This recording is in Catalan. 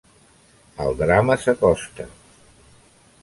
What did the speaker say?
El drama s'acosta.